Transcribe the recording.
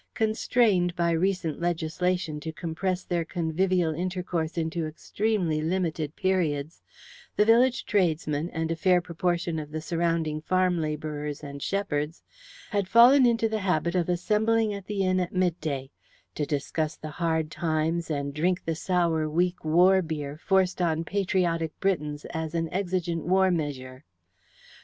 Constrained by recent legislation to compress their convivial intercourse into extremely limited periods, the village tradesmen, and a fair proportion of the surrounding farm labourers and shepherds, had fallen into the habit of assembling at the inn at midday, to discuss the hard times and drink the sour weak "war beer" forced on patriotic Britons as an exigent war measure.